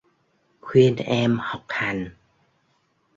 khuyên em học hành